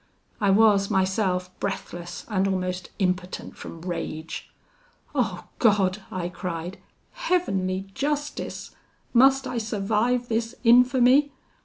"I was, myself, breathless and almost impotent from rage. 'Oh God!' I cried 'Heavenly justice! Must I survive this infamy?'